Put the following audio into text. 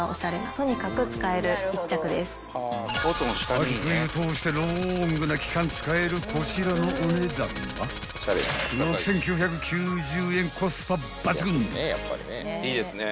［秋・冬通してローングな期間使えるこちらのお値段は６，９９０円コスパ抜群］